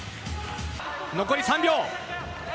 残り３秒。